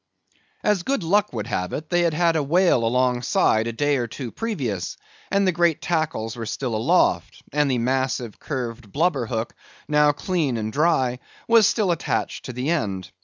As good luck would have it, they had had a whale alongside a day or two previous, and the great tackles were still aloft, and the massive curved blubber hook, now clean and dry, was still attached to the end.